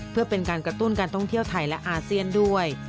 เพื่อเป็นการกระตุ้นการท่องเที่ยวไทยและอาเซียนด้วย